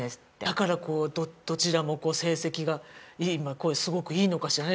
だからこうどちらも成績がすごくいいのかしらね。